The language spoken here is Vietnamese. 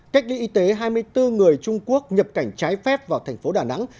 cách ly y tế hai mươi bốn người trung quốc nhập cảnh trái phép vào tp đà nẵng